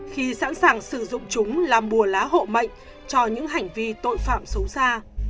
khi sẵn sàng sử dụng chúng làm bùa lá hộ mạnh cho những hành vi tội phạm xấu xa